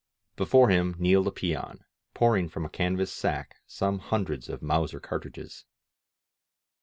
Before him kneeled a peon, pouring from a canvas sack some hundreds of Mauser cartridges.